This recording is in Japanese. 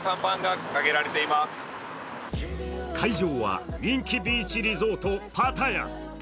会場は人気ビーチリゾートパタヤ。